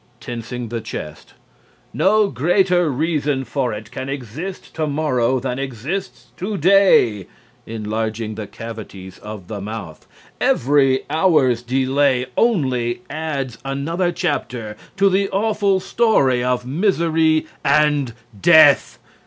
(Tensing the chest.) No greater reason for it can exist tomorrow than exists today. (Enlarging the cavities of the mouth.) Every hour's delay only adds another chapter to the awful story of misery and death.